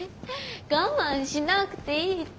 我慢しなくていいって。